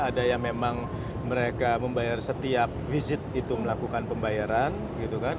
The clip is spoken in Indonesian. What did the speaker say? ada yang memang mereka membayar setiap visit itu melakukan pembayaran gitu kan